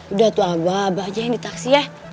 udah tuh abah abah aja yang di taksi ya